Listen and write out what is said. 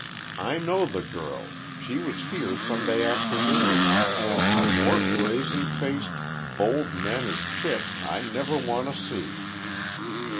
I know the girl, she was here Sunday afternoon, and a more brazen faced, bold mannered chit, I never want to see!"